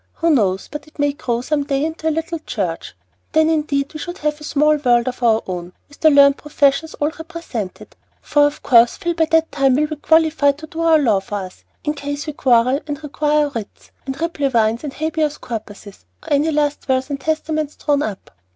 Who knows but it may grow some day into a little church? Then indeed we should have a small world of our own, with the learned professions all represented; for of course Phil by that time will be qualified to do our law for us, in case we quarrel and require writs and replevins or habeas corpuses, or any last wills and testaments drawn up.